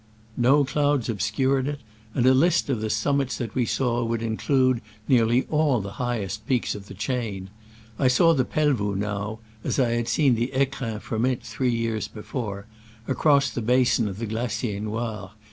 No clouds obscured it, and a list of the summits that we saw would include nearly all the highest peaks of the chain. I saw the Pelvoux now — as I had seen the fecrins from it three years before — across the basin of the Glacier Noir.